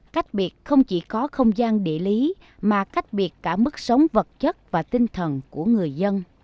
cách biệt không chỉ có không gian địa lý mà cách biệt cả mức sống vật chất và tinh thần của người dân